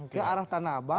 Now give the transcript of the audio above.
ke arah tanah abang